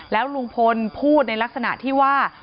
แล้วลุงพลพูดในลักษณะที่ว่า